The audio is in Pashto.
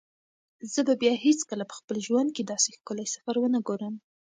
زه به بیا هیڅکله په خپل ژوند کې داسې ښکلی سفر ونه ګورم.